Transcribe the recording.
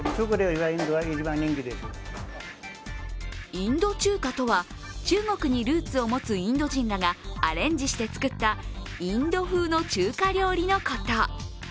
インド中華とは、中国にルーツを持つインド人らがアレンジして作ったインド風の中華料理のこと。